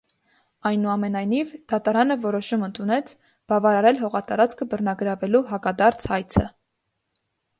Այնուամենայնիվ, դատարանը որոշում ընդունեց բավարարել հողատարածքը բռնագրավելու հակադարձ հայցը։